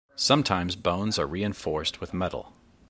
Sometimes bones are reinforced with metal.